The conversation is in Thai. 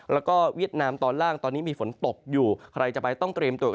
และวีเหนียนตอนล่างตอนนี้มีฝนตกอยู่ใครจะไปต้องเตรียมตัวกันหน่อย